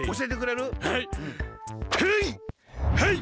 はい！